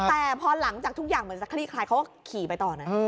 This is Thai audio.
แต่พอหลังจากทุกอย่างเหมือนจะคลี่คลายเขาก็ขี่ไปต่อนะ